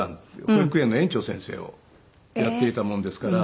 保育園の園長先生をやっていたもんですから。